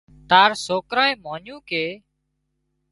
تار سوڪرانئي مانيُون ڪي